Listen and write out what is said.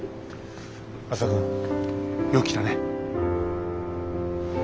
篤人君よく来たね。